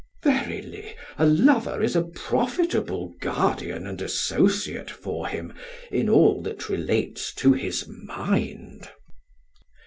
Verily, a lover is a profitable guardian and associate for him in all that relates to his mind.